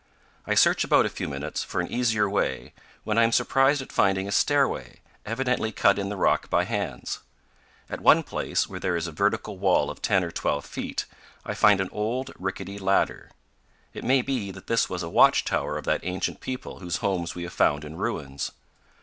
I search about a few minutes for an easier way, when I am surprised at finding a stairway, evidently cut in the rock by hands. At one place, where there is a vertical wall of 10 or 12 feet, I find an old, rickety ladder. It may be that this was a watchtower of that ancient people whose homes we have found in ruins.